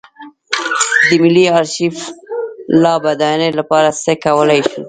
د ملي ارشیف د لا بډاینې لپاره څه کولی شو.